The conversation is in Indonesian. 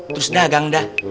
terus dagang dah